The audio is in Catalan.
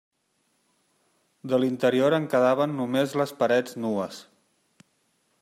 De l'interior en quedaven només les parets nues.